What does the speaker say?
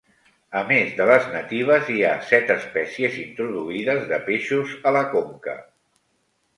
A més de les natives, hi ha set espècies introduïdes de peixos a la conca.